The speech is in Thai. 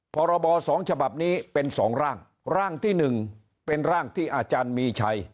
พรบสองฉบับนี้เป็นสองร่างร่างที่หนึ่งเป็นร่างที่อาจารย์มีชัย